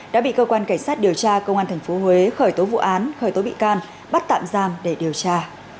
đã bị cơ quan cảnh sát điều tra công an tp huế khởi tố vụ án khởi tố bị can bắt tạm giam để điều tra